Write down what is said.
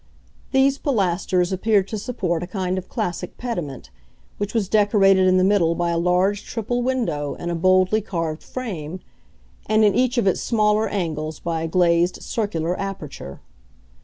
These pilasters appeared to support a kind of classic pediment, which was decorated in the middle by a large triple window in a boldly carved frame, and in each of its smaller angles by a glazed circular aperture.